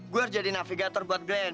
gue harus jadi navigator buat brand